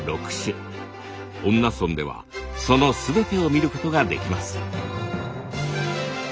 恩納村ではその全てを見ることができます。